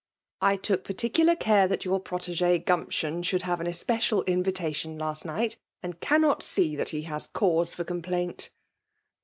'' I to6k particular care that your protege Gumption 'riiould have an especial invitation last night ; imd cannot see tliat he has cause for com ;plaint.